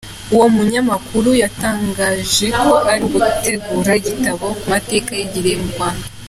Uwo munyamakuru yatangaje ko ari gutegura igitabo ku mateka yagiriye mu Rwanda.